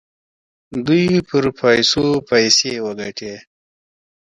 دوی پر پیسو پیسې وګټي.